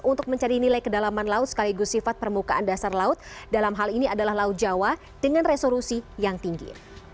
untuk mencari nilai kedalaman laut sekaligus sifat permukaan dasar laut dalam hal ini adalah laut jawa dengan resolusi yang tinggi